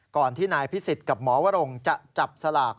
ก่อนที่นายพิสิทธิ์กับหมอวรงจะจับสลาก